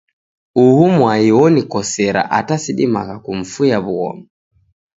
Uhu mwai onikosera ata sidimagha kumufuya wu'ghoma